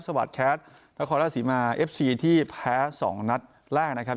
สวัสดิ์แคสนาคอลาศีมาเอฟซีที่แพ้สองนัดแรกนะครับ